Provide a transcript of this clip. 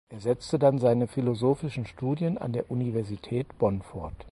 Er setzte dann seine philosophischen Studien an der Universität Bonn fort.